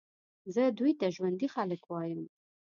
زه دوی ته ژوندي خلک وایم.